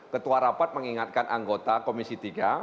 ketua rapat mengingatkan anggota komisi tiga